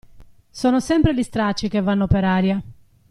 Sono sempre gli stracci che vanno per aria.